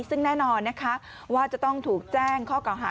ซึ่งแน่นอนนะคะว่าจะต้องถูกแจ้งข้อเก่าหา